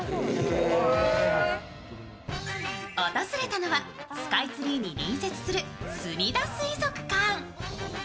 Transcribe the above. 訪れたのはスカイツリーに隣接するすみだ水族館。